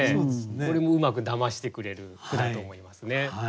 これもうまくだましてくれる句だと思いますね。